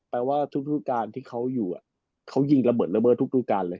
แปลว่าทุกรูปการณ์ที่เขาอยู่เขายิงละเมิดเรื้อเรือทุกครูปการณ์เลย